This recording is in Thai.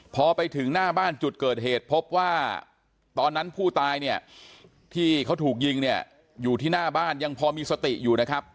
พอไปถึงหน้าบ้านจุดเกิดเหตุพบว่าตอนนั้นผู้ตายเนี่ยที่เขาถูกยิงเนี่ยอยู่ที่หน้าบ้านยังพอมีสติอยู่นะครับ